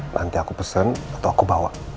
nanti aku pesen atau aku bawa